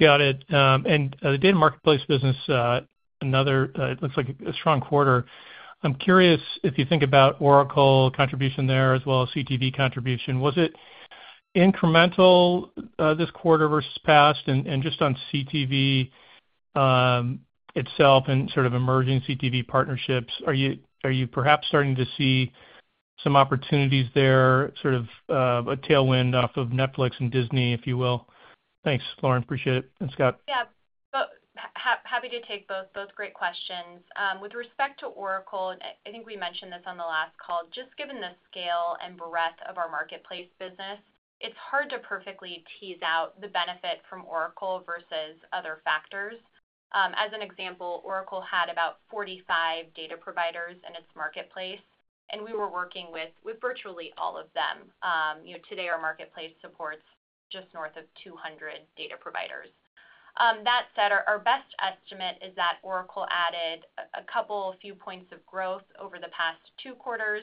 Got it. And the Data Marketplace business, it looks like a strong quarter. I'm curious if you think about Oracle contribution there as well as CTV contribution. Was it incremental this quarter versus past? Just on CTV itself and sort of emerging CTV partnerships, are you perhaps starting to see some opportunities there, sort of a tailwind off of Netflix and Disney, if you will? Thanks, Lauren. Appreciate it. And Scott. Yeah. Happy to take both great questions. With respect to Oracle, I think we mentioned this on the last call. Just given the scale and breadth of our marketplace business, it's hard to perfectly tease out the benefit from Oracle versus other factors. As an example, Oracle had about 45 data providers in its marketplace, and we were working with virtually all of them. Today, our marketplace supports just north of 200 data providers. That said, our best estimate is that Oracle added a couple of few points of growth over the past two quarters,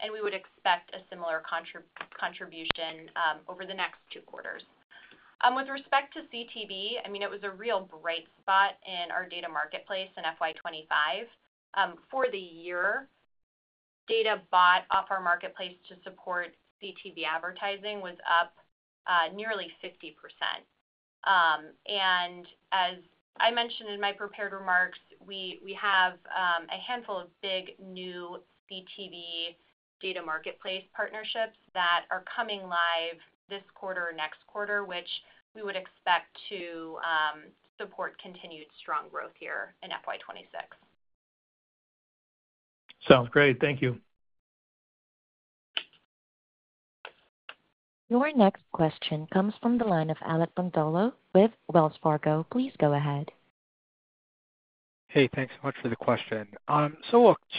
and we would expect a similar contribution over the next two quarters. With respect to CTV, I mean, it was a real bright spot in our data marketplace in FY25. For the year, data bought off our marketplace to support CTV advertising was up nearly 50%. As I mentioned in my prepared remarks, we have a handful of big new CTV data marketplace partnerships that are coming live this quarter or next quarter, which we would expect to support continued strong growth here in FY26. Sounds great. Thank you. Your next question comes from the line of Alec Brondolo with Wells Fargo. Please go ahead. Hey, thanks so much for the question.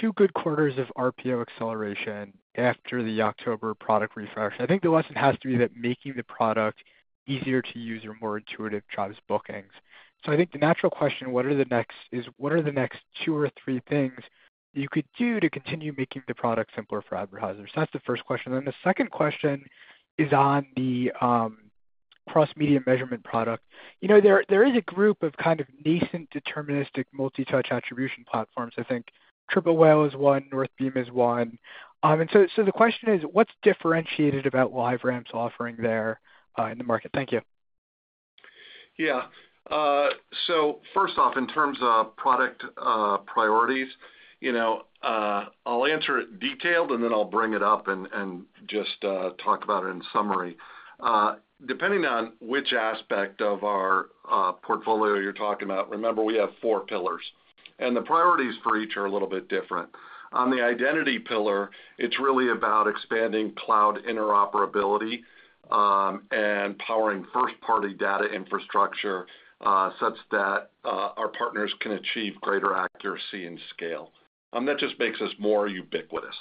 Two good quarters of RPO acceleration after the October product refresh. I think the lesson has to be that making the product easier to use or more intuitive drives bookings. I think the natural question is, what are the next two or three things you could do to continue making the product simpler for advertisers? That is the first question. The second question is on the cross-media measurement product. There is a group of kind of nascent deterministic multi-touch attribution platforms. I think Triple Whale is one, Northbeam is one. The question is, what is differentiated about LiveRamp's offering there in the market? Thank you. Yeah. First off, in terms of product priorities, I'll answer it detailed, and then I'll bring it up and just talk about it in summary. Depending on which aspect of our portfolio you're talking about, remember we have four pillars. The priorities for each are a little bit different. On the identity pillar, it's really about expanding cloud interoperability and powering first-party data infrastructure such that our partners can achieve greater accuracy and scale. That just makes us more ubiquitous.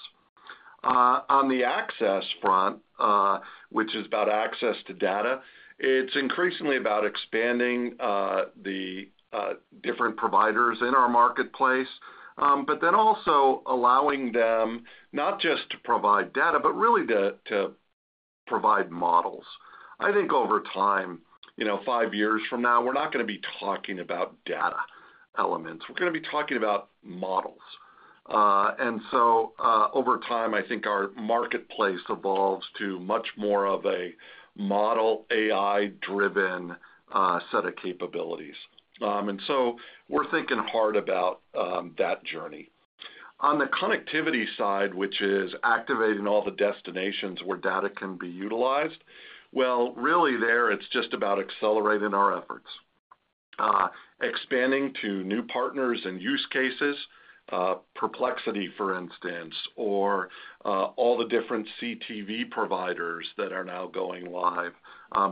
On the access front, which is about access to data, it's increasingly about expanding the different providers in our marketplace, but then also allowing them not just to provide data, but really to provide models. I think over time, five years from now, we're not going to be talking about data elements. We're going to be talking about models. Over time, I think our marketplace evolves to much more of a model AI-driven set of capabilities. We are thinking hard about that journey. On the connectivity side, which is activating all the destinations where data can be utilized, it is just about accelerating our efforts, expanding to new partners and use cases, Perplexity, for instance, or all the different CTV providers that are now going live.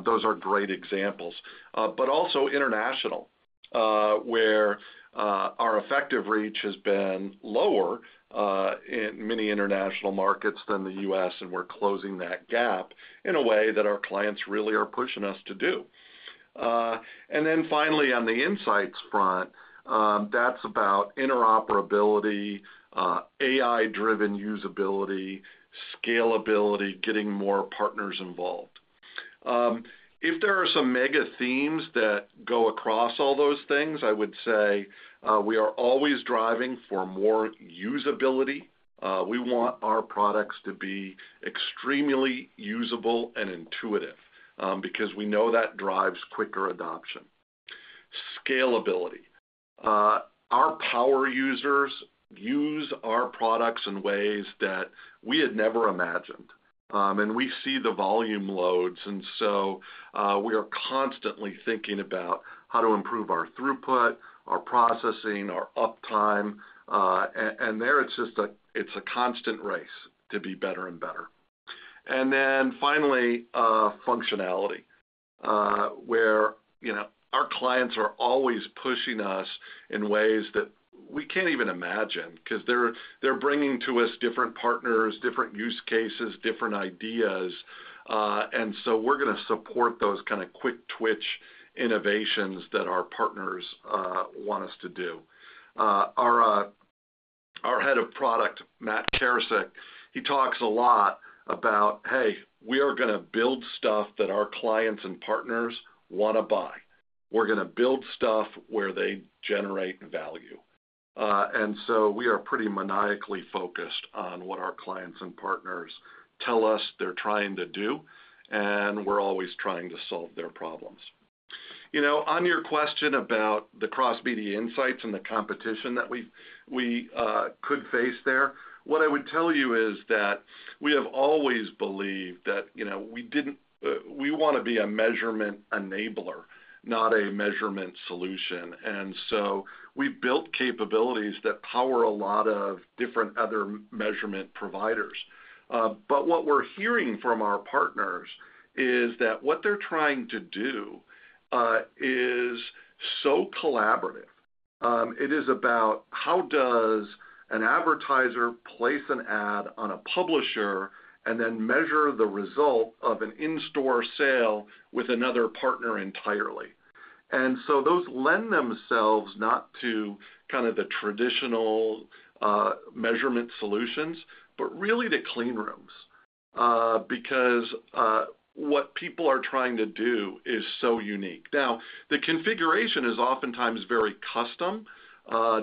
Those are great examples. Also, international, where our effective reach has been lower in many international markets than the US, and we are closing that gap in a way that our clients really are pushing us to do. Finally, on the insights front, that is about interoperability, AI-driven usability, scalability, getting more partners involved. If there are some mega themes that go across all those things, I would say we are always driving for more usability. We want our products to be extremely usable and intuitive because we know that drives quicker adoption. Scalability. Our power users use our products in ways that we had never imagined. We see the volume loads. We are constantly thinking about how to improve our throughput, our processing, our uptime. It is a constant race to be better and better. Finally, functionality, where our clients are always pushing us in ways that we cannot even imagine because they are bringing to us different partners, different use cases, different ideas. We are going to support those kind of quick-twitch innovations that our partners want us to do. Our Head of Product, Matt Karasek, he talks a lot about, "Hey, we are going to build stuff that our clients and partners want to buy. We're going to build stuff where they generate value. We are pretty maniacally focused on what our clients and partners tell us they're trying to do, and we're always trying to solve their problems. On your question about the cross-media insights and the competition that we could face there, what I would tell you is that we have always believed that we want to be a measurement enabler, not a measurement solution. We have built capabilities that power a lot of different other measurement providers. What we're hearing from our partners is that what they're trying to do is so collaborative. It is about how does an advertiser place an ad on a publisher and then measure the result of an in-store sale with another partner entirely. Those lend themselves not to kind of the traditional measurement solutions, but really to clean rooms because what people are trying to do is so unique. The configuration is oftentimes very custom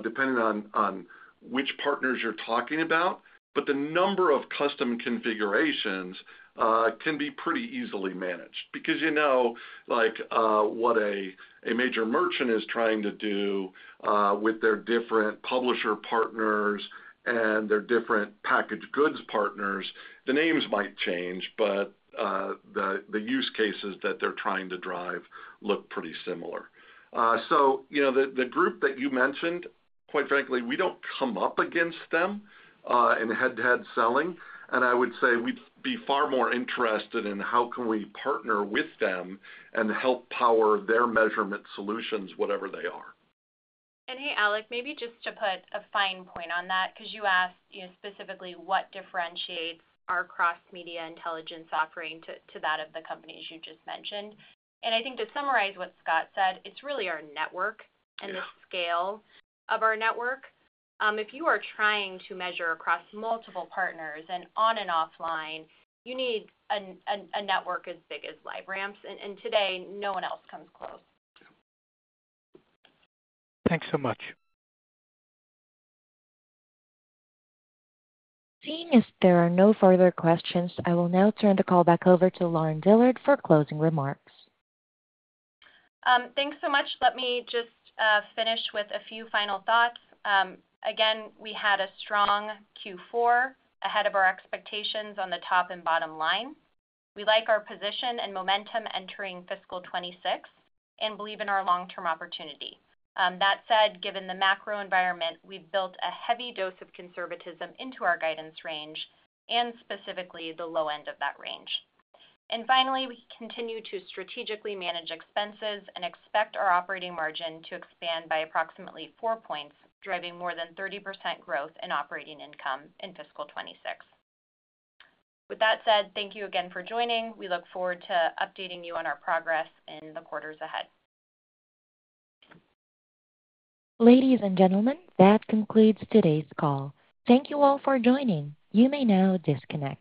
depending on which partners you're talking about, but the number of custom configurations can be pretty easily managed because you know what a major merchant is trying to do with their different publisher partners and their different packaged goods partners. The names might change, but the use cases that they're trying to drive look pretty similar. The group that you mentioned, quite frankly, we don't come up against them in head-to-head selling. I would say we'd be far more interested in how can we partner with them and help power their measurement solutions, whatever they are. Hey, Alec, maybe just to put a fine point on that because you asked specifically what differentiates our Cross-Media Intelligence offering to that of the companies you just mentioned. I think to summarize what Scott said, it's really our network and the scale of our network. If you are trying to measure across multiple partners and on and offline, you need a network as big as LiveRamp. Today, no one else comes close. Thanks so much. Seeing as there are no further questions, I will now turn the call back over to Lauren Dillard for closing remarks. Thanks so much. Let me just finish with a few final thoughts. Again, we had a strong Q4 ahead of our expectations on the top and bottom line. We like our position and momentum entering fiscal 2026 and believe in our long-term opportunity. That said, given the macro environment, we've built a heavy dose of conservatism into our guidance range and specifically the low end of that range. Finally, we continue to strategically manage expenses and expect our operating margin to expand by approximately four points, driving more than 30% growth in operating income in fiscal 2026. With that said, thank you again for joining. We look forward to updating you on our progress in the quarters ahead. Ladies and gentlemen, that concludes today's call. Thank you all for joining. You may now disconnect.